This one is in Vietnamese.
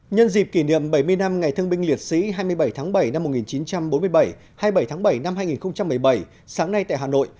nhân dịp kỷ niệm bảy mươi năm ngày thương binh liệt sĩ hai mươi bảy tháng bảy năm một nghìn chín trăm bốn mươi bảy hai mươi bảy tháng bảy năm hai nghìn một mươi bảy sáng nay tại hà nội